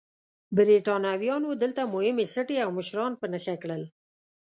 برېټانویانو دلته مهمې سټې او مشران په نښه کړل.